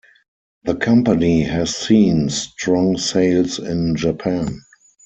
The company has seen strong sales in Japan.